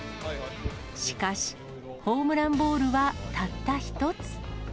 しかし、ホームランボールはたった一つ。